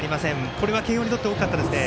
これは慶応にとって大きかったですね。